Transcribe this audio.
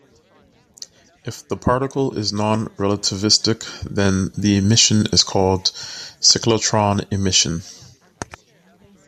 If the particle is non-relativistic, then the emission is called cyclotron emission.